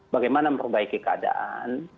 bagaimana memperbaiki keadaan